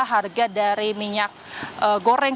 harga dari minyak goreng